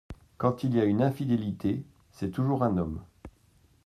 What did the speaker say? Quand il y a une infidélité, c’est toujours un homme.